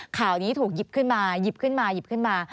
ข่าวนี้ถูกหยิบขึ้นมาหยิบขึ้นมาหยิบขึ้นมา